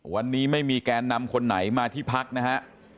วันนี้ไม่มีแกนนำคนไหนมาที่พักนะฮะ